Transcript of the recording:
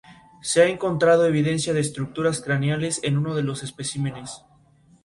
Entró a la carrera de Detroit con una fuerte decisión de profesionalismo.